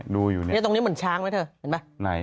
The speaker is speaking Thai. เนี่ยตรงนี้เหมือนช้างนะเถอะเห็นป่ะ